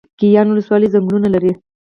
ګیان ولسوالۍ ځنګلونه لري؟